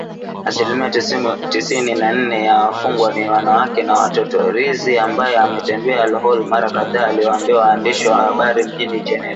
Asilimia tisini na nne ya wafungwa ni wanawake na watoto, Rizi ambaye ametembelea Al Hol mara kadhaa aliwaambia waandishi wa habari mjini Geneva